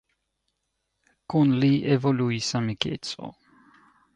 Kun li evoluis amikeco.